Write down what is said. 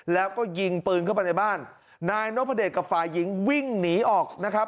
แล้วก็ยิงปืนเข้าไปในบ้านนายนพเดชกับฝ่ายหญิงวิ่งหนีออกนะครับ